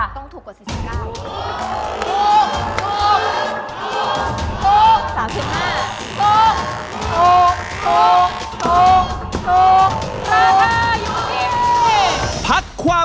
ต้องถูกกว่า๔๙